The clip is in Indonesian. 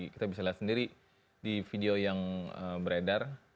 kita bisa lihat sendiri di video yang beredar